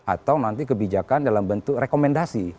atau nanti kebijakan dalam bentuk rekomendasi